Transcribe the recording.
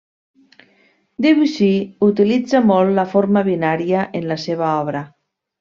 Debussy utilitza molt la forma binària en la seva obra.